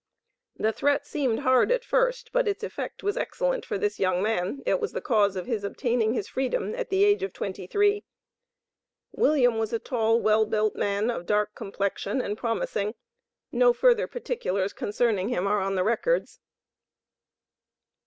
The threat seemed hard at first, but its effect was excellent for this young man; it was the cause of his obtaining his freedom at the age of twenty three. William was a tall, well built man, of dark complexion and promising. No further particulars concerning him are on the records.